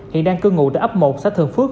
hiện đang cư ngụ tại ấp một xã thường phước